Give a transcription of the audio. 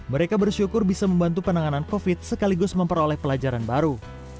mereka bersyukur bisa membantu penanganan covid sekaligus memperoleh pelajaran baru